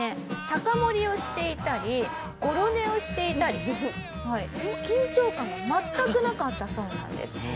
酒盛りをしていたりゴロ寝をしていたり緊張感が全くなかったそうなんです。